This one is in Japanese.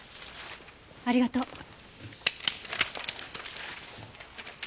ありがとう。